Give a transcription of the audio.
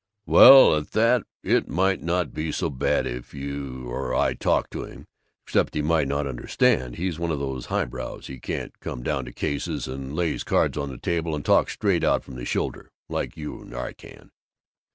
'" "Well, at that, it might not be so bad if you or I talked to him, except he might not understand. He's one of these highbrows. He can't come down to cases and lay his cards on the table and talk straight out from the shoulder, like you or I can."